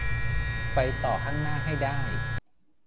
ไปต่อข้างหน้าให้ได้